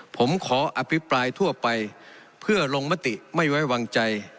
ผมขออภิปรายทั่วไปเพื่อลงมติไม่ไว้วางใจ